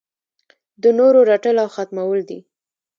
د نورو رټل او ختمول دي.